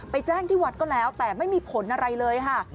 แจ้งที่วัดก็แล้วแต่ไม่มีผลอะไรเลยค่ะ